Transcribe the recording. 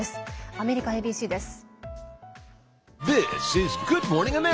アメリカＡＢＣです。